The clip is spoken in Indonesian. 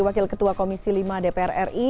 wakil ketua komisi lima dpr ri